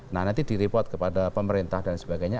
nah nanti di report kepada pemerintah dan lain sebagainya